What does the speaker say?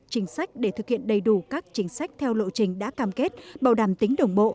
chính sách để thực hiện đầy đủ các chính sách theo lộ trình đã cam kết bảo đảm tính đồng bộ